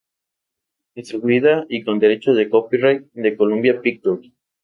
Distribuida y con derechos de copyright de Columbia Pictures.